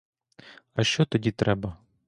А що тоді треба?